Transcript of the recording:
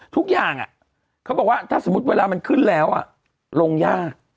เขาบอกว่าถ้าสมมุติเวลามันขึ้นแล้วลงยาก